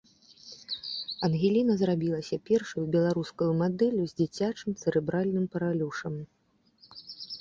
Ангеліна зрабілася першаю беларускаю мадэллю з дзіцячым цэрэбральным паралюшам.